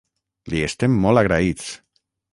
Li estem molt agraïts!